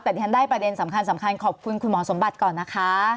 แต่ที่ฉันได้ประเด็นสำคัญขอบคุณคุณหมอสมบัติก่อนนะคะ